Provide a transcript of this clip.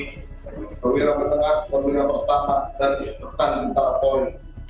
perwira menengah perwira pertama dan berkan antara polri